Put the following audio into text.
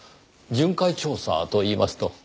巡回調査といいますと？